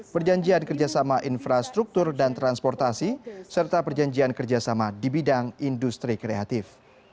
perjanjian kerjasama infrastruktur dan transportasi serta perjanjian kerjasama di bidang industri kreatif